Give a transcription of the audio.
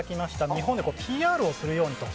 日本でＰＲをするようにと。